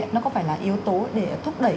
nó có phải là yếu tố để thúc đẩy